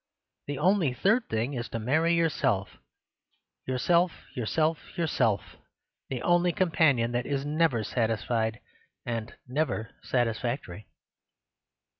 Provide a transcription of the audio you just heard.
The only third thing is to marry yourself— yourself, yourself, yourself—the only companion that is never satisfied— and never satisfactory."